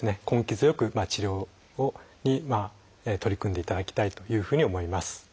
根気強く治療に取り組んでいただきたいというふうに思います。